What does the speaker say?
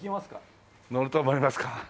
のると思いますか？